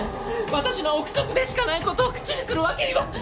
私の臆測でしかない事を口にするわけには！